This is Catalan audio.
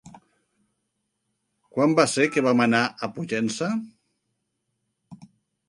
Quan va ser que vam anar a Pollença?